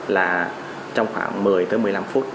là trong khoảng một mươi tới một mươi năm phút